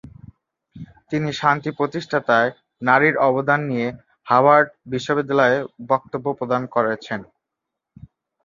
তিনি শান্তি প্রতিষ্ঠায় নারীর অবদান নিয়ে হার্ভার্ড বিশ্ববিদ্যালয়ে বক্তব্য প্রদান করেছেন।